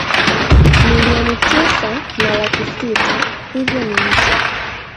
Milioni tisa na laki sita hivyo ni nchi